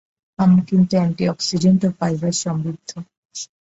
আম কিন্তু অ্যান্টিঅক্সিডেন্ট ও ফাইবার সমৃদ্ধ।